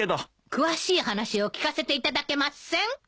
詳しい話を聞かせていただけません？